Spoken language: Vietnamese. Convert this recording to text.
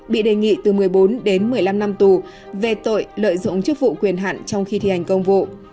bị đề nghị từ một mươi bốn đến một mươi năm năm tù về tội lợi dụng chức vụ quyền hạn trong khi thi hành công vụ